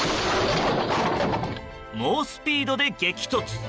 猛スピードで激突！